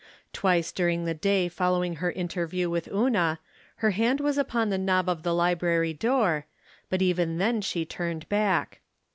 Twice during the day following her interview with Una her hand was upon the knob of the library door, but even then she turned back.